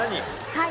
はい。